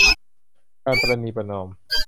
การประนีประนอม